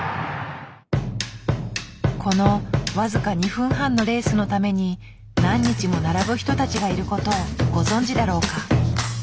この僅か２分半のレースのために何日も並ぶ人たちがいる事をご存じだろうか？